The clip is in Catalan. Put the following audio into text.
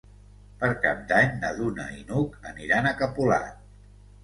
Per Cap d'Any na Duna i n'Hug aniran a Capolat.